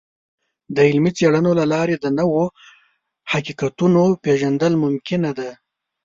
د علمي څیړنو له لارې د نوو حقیقتونو پیژندل ممکنه ده.